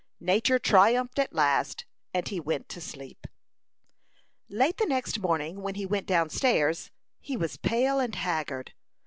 Nature triumphed at last, and he went to sleep. Late the next morning, when he went down stairs, he was pale and haggard.